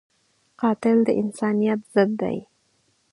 قاتل د انسانیت ضد دی